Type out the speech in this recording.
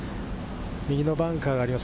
右のバンカーがあります。